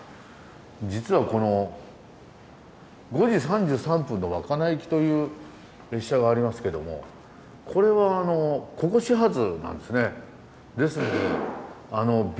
実はこの５時３３分の稚内行きという列車がありますけどもこれはこれになると９時８分。